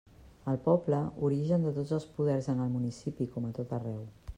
El poble, origen de tots els poders en el municipi com a tot arreu.